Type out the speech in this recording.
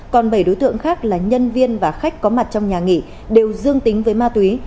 còn bảy đối tượng khác là nhân viên và khách có mặt trong nhà nghỉ đều dương tính với ma túy